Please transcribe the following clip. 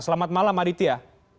selamat malam aditya